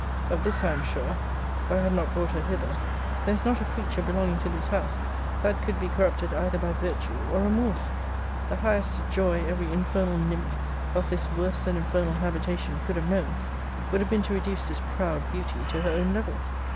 Of this I am sure, or I had not brought her hither, there is not a creature belonging to this house, that could be corrupted either by virtue or remorse: the highest joy every infernal nymph, of this worse than infernal habitation, could have known, would have been to reduce this proud beauty to her own level.